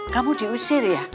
kamu diusir ya